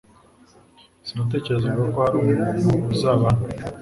Sinatekerezaga ko hari umuntu uzaba hano .